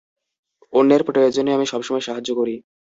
অন্যের প্রয়োজনে আমি সবসময় সাহায্য করি।